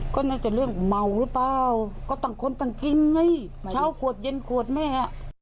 ก็น่าจะเรื่องเมาหรือเปล่าก็ต่างคนต่างกินไงเช้าขวดเย็นขวดแม่